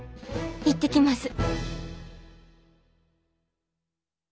行ってきます。